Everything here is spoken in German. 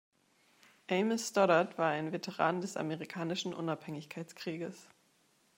Amos Stoddard war ein Veteran des Amerikanischen Unabhängigkeitskrieges.